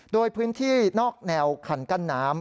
โดยพื้นที่นอกแนวคันกั้นน้ำ